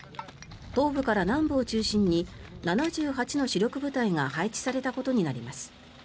東部から南部を中心に７８の主力部隊が配置されたことになります。